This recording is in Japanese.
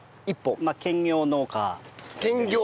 兼業農家。